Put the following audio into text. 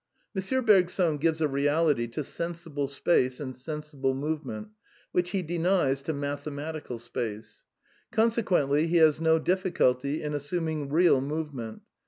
M. Bergson gives a reality to sensible space and sensible movement which he denies to mathematical space; conse quently he has no diflSculty in assuming " real " move ment.